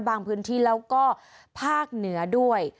พื้นที่แล้วก็ภาคเหนือด้วย